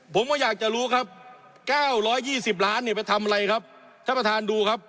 ผมก็อยากจะรู้ครับ๙๒๐ล้านเนี่ยไปทำอะไรครับท่านประธานดูครับ